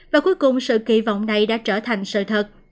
và cuối cùng sự kỳ vọng này đã trở thành sự thật